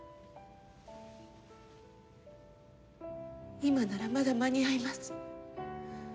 今ならまだ間に合います。